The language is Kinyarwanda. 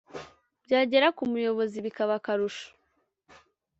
byagera ku muyobozi bikaba akarusho